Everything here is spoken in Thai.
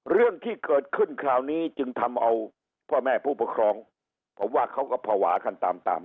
เรื่องที่เกิดขึ้นคราวนี้จึงทำเอาพ่อแม่ผู้ปกครองผมว่าเขาก็ภาวะกันตามตาม